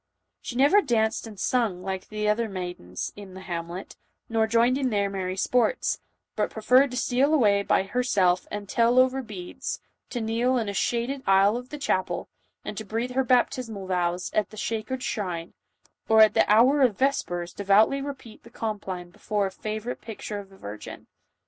She never danced and sung like the other maidens in the hamlet, nor joined in their merry sports, but prefer red to steal away by herself and tell over beads, to kneel in a shaded aisle of the chapel, and breathe her baptis mal vows, at the sacred shrine, or at the hour of ves pers devoutly repeat the compline before a favorite picture of the virgin.